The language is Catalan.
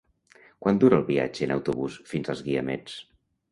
Quant dura el viatge en autobús fins als Guiamets?